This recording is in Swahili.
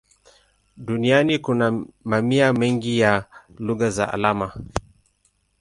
Duniani kuna mamia mengi ya lugha za alama.